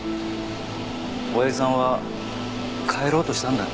親父さんは帰ろうとしたんだ。